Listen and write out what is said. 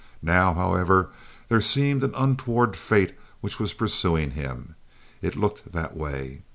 Now, however, there seemed an untoward fate which was pursuing him. It looked that way.